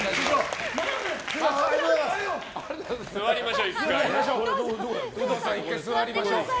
座りましょう、１回。